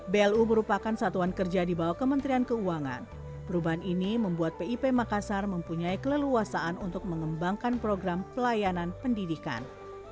blu merupakan satuan kerja di bawah kementerian keuangan perubahan ini membuat pip makassar mempunyai keleluasaan untuk mengembangkan program pelayanan pendidikan